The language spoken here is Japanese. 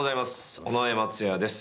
尾上松也です。